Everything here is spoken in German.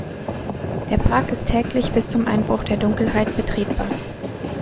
Der Park ist täglich bis zum Einbruch der Dunkelheit betretbar.